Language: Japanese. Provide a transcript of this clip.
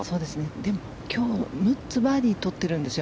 でも、今日６つバーディーを取ってるんですよ。